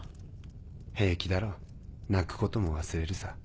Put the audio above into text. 平気だろ泣くことも忘れるさ。